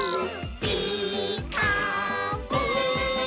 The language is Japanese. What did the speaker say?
「ピーカーブ！」